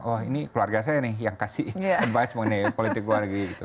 oh ini keluarga saya nih yang kasih advice mengenai politik keluarga gitu